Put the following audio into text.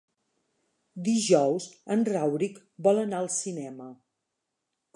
Dijous en Rauric vol anar al cinema.